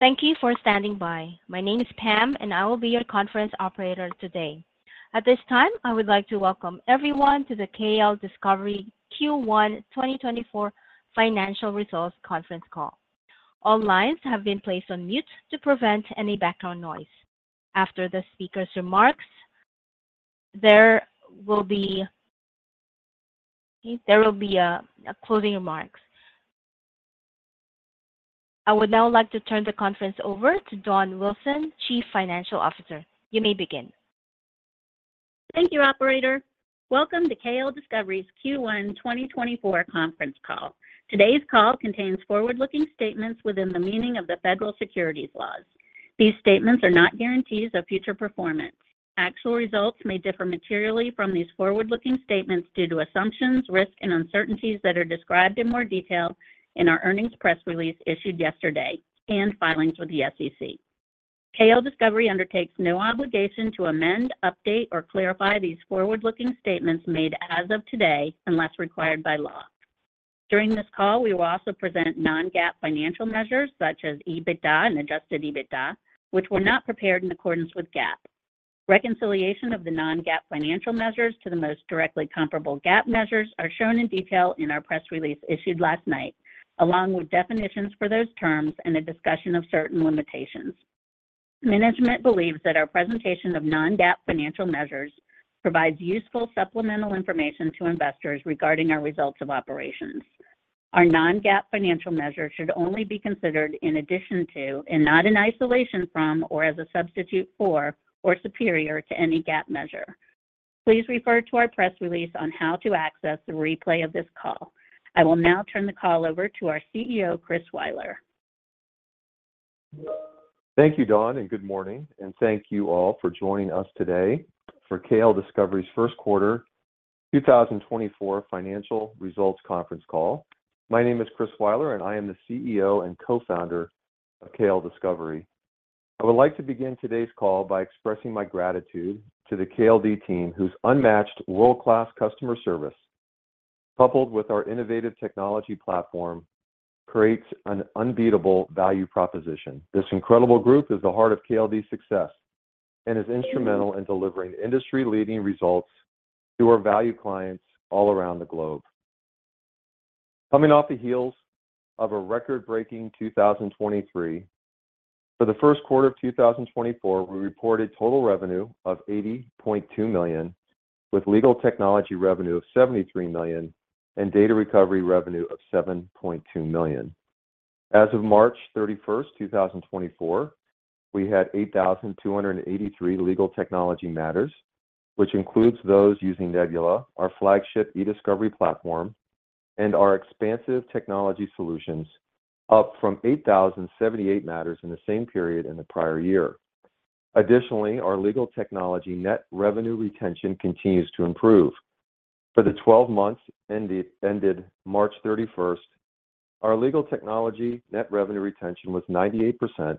Thank you for standing by. My name is Pam, and I will be your conference operator today. At this time, I would like to welcome everyone to the KLDiscovery Q1 2024 Financial Results Conference Call. All lines have been placed on mute to prevent any background noise. After the speaker's remarks, there will be a closing remarks. I would now like to turn the conference over to Dawn Wilson, Chief Financial Officer. You may begin. Thank you, operator. Welcome to KLDiscovery's Q1 2024 conference call. Today's call contains forward-looking statements within the meaning of the federal securities laws. These statements are not guarantees of future performance. Actual results may differ materially from these forward-looking statements due to assumptions, risks, and uncertainties that are described in more detail in our earnings press release issued yesterday and filings with the SEC. KLDiscovery undertakes no obligation to amend, update, or clarify these forward-looking statements made as of today unless required by law. During this call, we will also present non-GAAP financial measures such as EBITDA and adjusted EBITDA, which were not prepared in accordance with GAAP. Reconciliation of the non-GAAP financial measures to the most directly comparable GAAP measures are shown in detail in our press release issued last night, along with definitions for those terms and a discussion of certain limitations. Management believes that our presentation of non-GAAP financial measures provides useful supplemental information to investors regarding our results of operations. Our non-GAAP financial measures should only be considered in addition to, and not in isolation from or as a substitute for, or superior to any GAAP measure. Please refer to our press release on how to access the replay of this call. I will now turn the call over to our CEO, Chris Weiler. Thank you, Dawn, and good morning, and thank you all for joining us today for KLDiscovery's first quarter 2024 financial results conference call. My name is Chris Weiler, and I am the CEO and co-founder of KLDiscovery. I would like to begin today's call by expressing my gratitude to the KLD team, whose unmatched world-class customer service, coupled with our innovative technology platform, creates an unbeatable value proposition. This incredible group is the heart of KLD's success and is instrumental in delivering industry-leading results to our value clients all around the globe. Coming off the heels of a record-breaking 2023, for the first quarter of 2024, we reported total revenue of $80.2 million, with legal technology revenue of $73 million and data recovery revenue of $7.2 million. As of March 31st, 2024, we had 8,283 legal technology matters, which includes those using Nebula, our flagship eDiscovery platform, and our expansive technology solutions, up from 8,078 matters in the same period in the prior year. Additionally, our legal technology net revenue retention continues to improve. For the 12 months ended March 31st, our legal technology net revenue retention was 98%,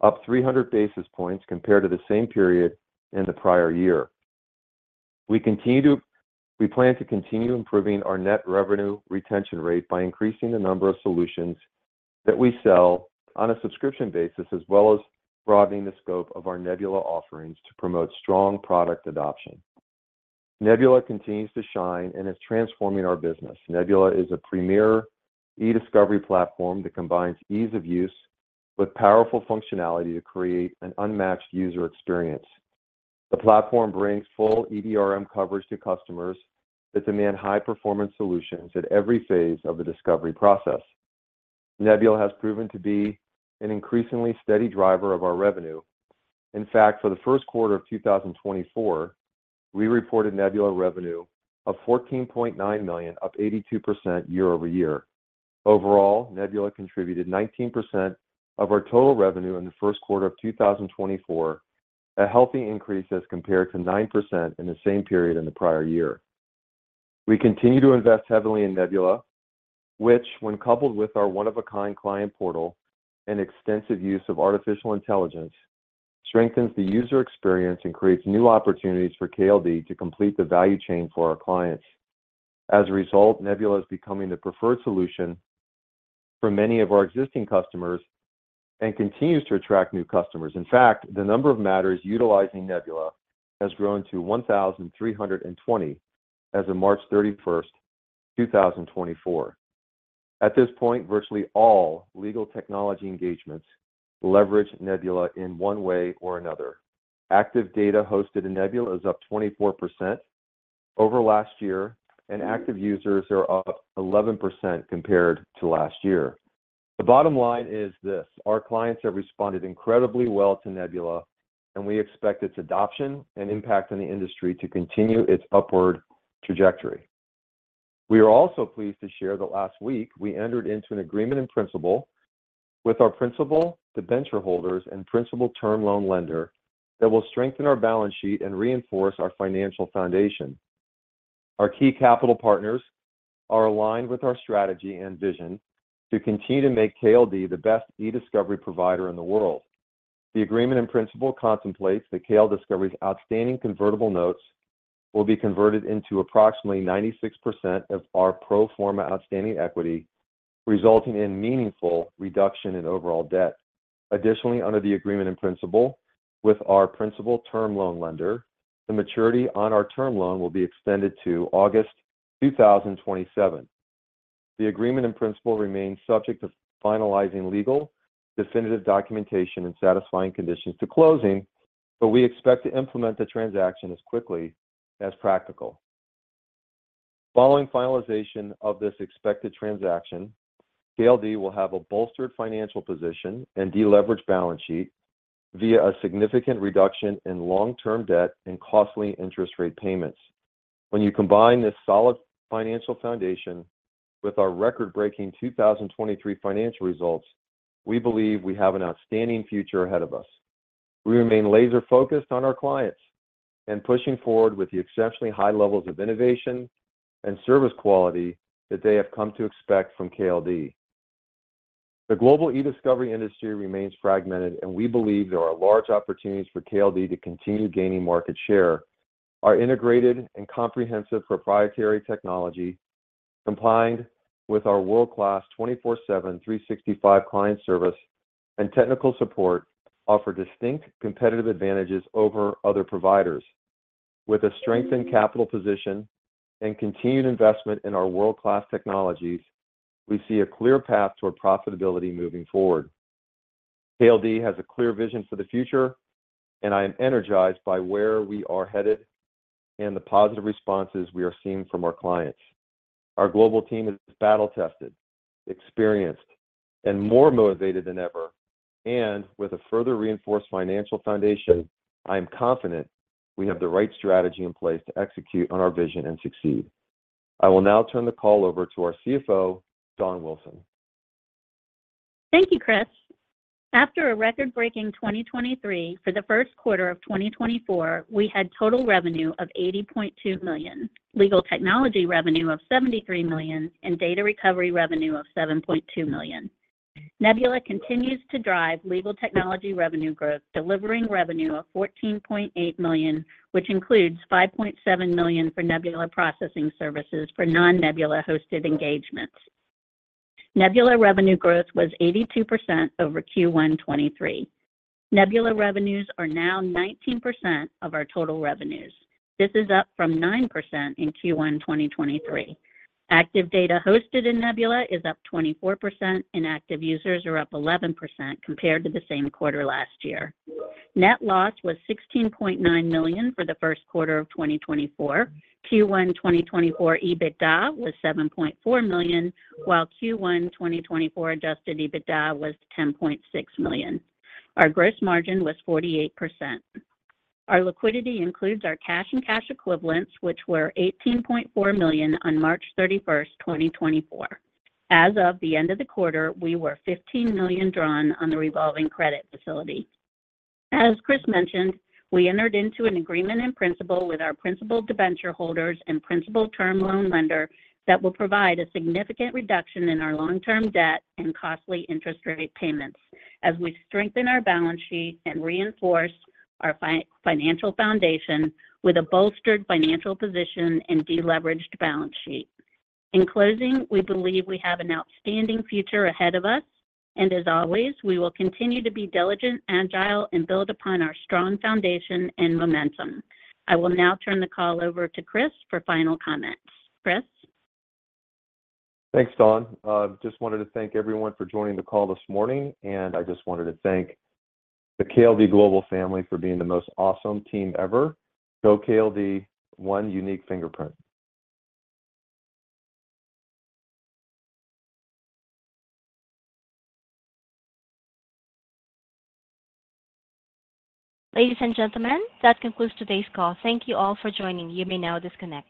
up 300 basis points compared to the same period in the prior year. We plan to continue improving our net revenue retention rate by increasing the number of solutions that we sell on a subscription basis, as well as broadening the scope of our Nebula offerings to promote strong product adoption. Nebula continues to shine and is transforming our business. Nebula is a premier eDiscovery platform that combines ease of use with powerful functionality to create an unmatched user experience. The platform brings full EDRM coverage to customers that demand high-performance solutions at every phase of the discovery process. Nebula has proven to be an increasingly steady driver of our revenue. In fact, for the first quarter of 2024, we reported Nebula revenue of $14.9 million, up 82% year-over-year. Overall, Nebula contributed 19% of our total revenue in the first quarter of 2024, a healthy increase as compared to 9% in the same period in the prior year. We continue to invest heavily in Nebula, which, when coupled with our one-of-a-kind client portal and extensive use of artificial intelligence, strengthens the user experience and creates new opportunities for KLD to complete the value chain for our clients. As a result, Nebula is becoming the preferred solution for many of our existing customers and continues to attract new customers. In fact, the number of matters utilizing Nebula has grown to 1,320 as of March 31st, 2024. At this point, virtually all legal technology engagements leverage Nebula in one way or another. Active data hosted in Nebula is up 24% over last year, and active users are up 11% compared to last year. The bottom line is this: Our clients have responded incredibly well to Nebula, and we expect its adoption and impact on the industry to continue its upward trajectory. We are also pleased to share that last week we entered into an agreement in principle with our principal debenture holders and principal term loan lender that will strengthen our balance sheet and reinforce our financial foundation. Our key capital partners are aligned with our strategy and vision to continue to make KLD the best eDiscovery provider in the world. The agreement in principle contemplates that KLDiscovery's outstanding convertible notes will be converted into approximately 96% of our pro forma outstanding equity, resulting in meaningful reduction in overall debt. Additionally, under the agreement in principle with our principal term loan lender, the maturity on our term loan will be extended to August 2027. The agreement in principle remains subject to finalizing legal, definitive documentation, and satisfying conditions to closing, but we expect to implement the transaction as quickly as practical. Following finalization of this expected transaction, KLD will have a bolstered financial position and deleveraged balance sheet via a significant reduction in long-term debt and costly interest rate payments. When you combine this solid financial foundation with our record-breaking 2023 financial results, we believe we have an outstanding future ahead of us. We remain laser-focused on our clients and pushing forward with the exceptionally high levels of innovation and service quality that they have come to expect from KLD. The global eDiscovery industry remains fragmented, and we believe there are large opportunities for KLD to continue gaining market share. Our integrated and comprehensive proprietary technology, combined with our world-class 24/7, 365 client service and technical support, offer distinct competitive advantages over other providers. With a strengthened capital position and continued investment in our world-class technologies, we see a clear path toward profitability moving forward. KLD has a clear vision for the future, and I am energized by where we are headed and the positive responses we are seeing from our clients. Our global team is battle-tested, experienced, and more motivated than ever, and with a further reinforced financial foundation, I am confident we have the right strategy in place to execute on our vision and succeed. I will now turn the call over to our CFO, Dawn Wilson. Thank you, Chris. After a record-breaking 2023, for the first quarter of 2024, we had total revenue of $80.2 million, legal technology revenue of $73 million, and data recovery revenue of $7.2 million. Nebula continues to drive legal technology revenue growth, delivering revenue of $14.8 million, which includes $5.7 million for Nebula processing services for non-Nebula hosted engagements. Nebula revenue growth was 82% over Q1 2023. Nebula revenues are now 19% of our total revenues. This is up from 9% in Q1 2023. Active data hosted in Nebula is up 24%, and active users are up 11% compared to the same quarter last year. Net loss was $16.9 million for the first quarter of 2024. Q1 2024 EBITDA was $7.4 million, while Q1 2024 adjusted EBITDA was $10.6 million. Our gross margin was 48%. Our liquidity includes our cash and cash equivalents, which were $18.4 million on March 31st, 2024. As of the end of the quarter, we were $15 million drawn on the revolving credit facility. As Chris mentioned, we entered into an agreement in principle with our principal debenture holders and principal term loan lender that will provide a significant reduction in our long-term debt and costly interest rate payments as we strengthen our balance sheet and reinforce our financial foundation with a bolstered financial position and deleveraged balance sheet. In closing, we believe we have an outstanding future ahead of us, and as always, we will continue to be diligent, agile, and build upon our strong foundation and momentum. I will now turn the call over to Chris for final comments. Chris? Thanks, Dawn. Just wanted to thank everyone for joining the call this morning, and I just wanted to thank the KLD global family for being the most awesome team ever. Go KLD, One Unique Fingerprint. Ladies and gentlemen, that concludes today's call. Thank you all for joining. You may now disconnect.